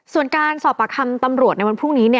ส่วนการสอบประคำตำรวจในวันพรุ่งนี้